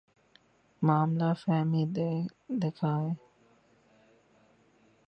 معاملہ فہمی دکھائیے۔